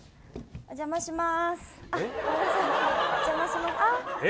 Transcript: お邪魔します。